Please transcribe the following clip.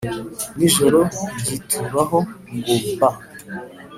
n’ijoro ryituraho ngo ba